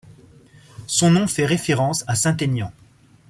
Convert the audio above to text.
Son nom fait référence à Saint-Aignan.